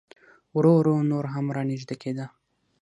ورو ورو نور هم را نږدې کېده.